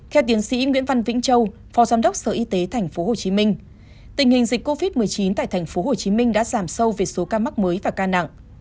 theo tiến sĩ nguyễn văn vĩnh châu phó giám đốc sở y tế tp hcm tình hình dịch covid một mươi chín tại tp hcm đã giảm sâu về số ca mắc mới và ca nặng